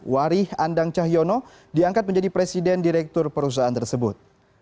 wari andang cahyono diangkat menjadi presiden direktur perusahaan tersebut